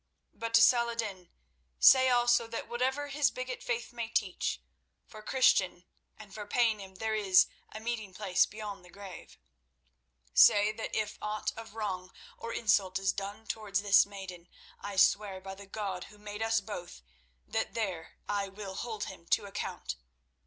But to Saladin say also that whatever his bigot faith may teach, for Christian and for Paynim there is a meeting place beyond the grave. Say that if aught of wrong or insult is done towards this maiden, I swear by the God who made us both that there I will hold him to account.